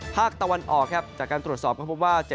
ภาคตะวันออกครับจากการตรวจสอบก็พบว่า